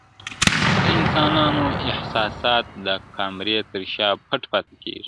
• د انسانانو احساسات د کامرې تر شا پټ پاته کيږي,